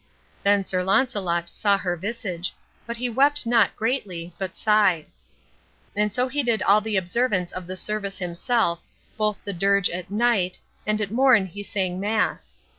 Then Sir Launcelot saw her visage, but he wept not greatly, but sighed. And so he did all the observance of the service himself, both the "dirige" at night, and at morn he sang mass.